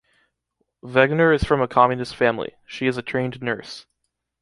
Wegner is from a communist family, she is a trained nurse.